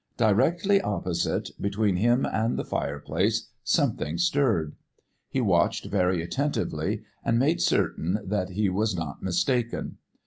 Directly opposite, between him and the fireplace, something stirred. He watched very attentively and made certain that he was not mistaken.